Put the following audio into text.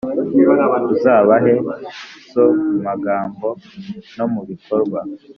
Uzubahe so mu magambo no mu bikorwa,